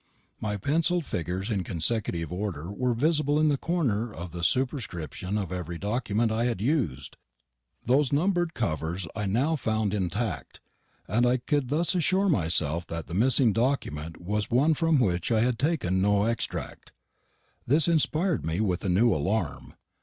My pencilled figures in consecutive order were visible in the corner of the superscription of every document I had used. Those numbered covers I now found intact, and I could thus assure myself that the missing document was one from which I had taken no extract. This inspired me with a new alarm.